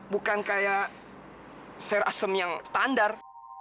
bukan kayak ser asem yang standar